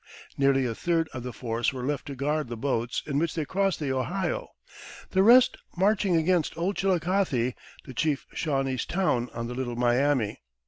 Nearly a third of the force were left to guard the boats in which they crossed the Ohio, the rest marching against Old Chillicothe, the chief Shawnese town on the Little Miami.